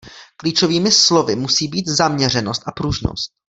Klíčovými slovy musí být zaměřenost a pružnost.